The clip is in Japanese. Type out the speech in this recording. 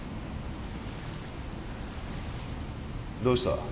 どうした？